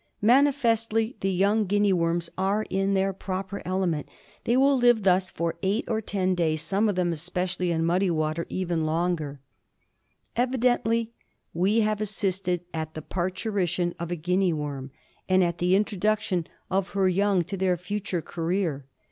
Manifestly the young Guinea worms are in their proper element. They will live thus for eight or ten days, some of them, especially in muddy water, even longer. c 34 GUINEA WORM. Evidently we have assisted at the parturition of a Guinea worm, and at the introduction of her young to their future career.